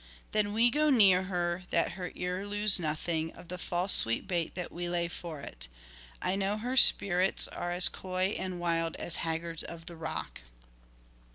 Then go we near her, that her ear lose nothing Of the false sweet bait that we lay for it. I know her spirits are as coy and wild As haggards of the rock."